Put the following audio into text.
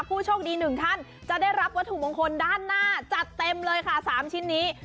ผู้โชคดีหนึ่งท่านจะได้รับวัตถุมงคลด้านหน้าจัดเต็มเลยค่ะ๓ชิ้นนี้